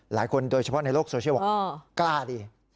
หลายคนโดยเฉพาะในโลกโซเชียลว่ากล้าดี